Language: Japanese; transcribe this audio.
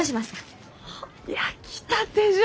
あ焼きたてじゃ！